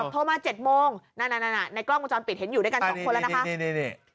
โทรมา๗โมงในกล้องวงจรปิดเห็นอยู่ด้วยกัน๒คนแล้วนะคะ